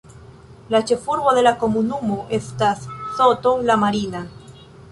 La ĉefurbo de la komunumo estas Soto la Marina.